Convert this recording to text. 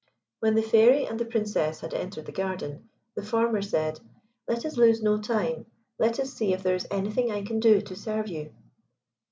When the Fairy and the Princess had entered the garden, the former said, "Let us lose no time. Let us see if there is anything I can do to serve you."